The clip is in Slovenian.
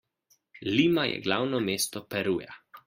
Lima je glavno mesto Peruja.